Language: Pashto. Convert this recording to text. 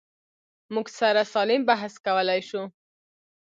موږ سره سالم بحث کولی شو.